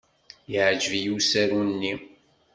Yeɛjeb-iyi usaru-nni.